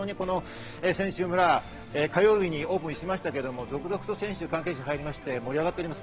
選手村、火曜日にオープンしましたけど、続々と選手、関係者が入りまして盛り上がっております。